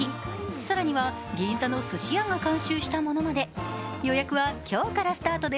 更には銀座のすし屋が監修したものまで。